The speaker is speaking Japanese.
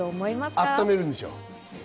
あっためるんでしょう？